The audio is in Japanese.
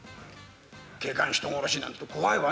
「警官人殺し」なんて怖いわね。